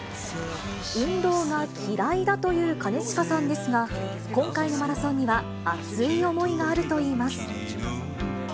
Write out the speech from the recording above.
運動が嫌いだという兼近さんですが、今回のマラソンには熱い思いがあるといいます。